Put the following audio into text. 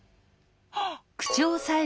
あっ。